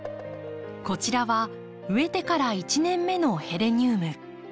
こちらは植えてから１年目のヘレニウム。